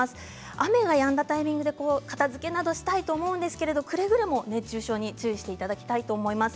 雨がやんだタイミングで片づけなどしたいと思うんですけどくれぐれも熱中症に注意していただきたいと思います。